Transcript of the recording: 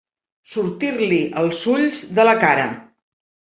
Sortir-li els ulls de la cara.